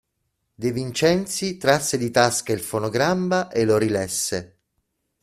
De Vincenzi trasse di tasca il fonogramma e lo rilesse.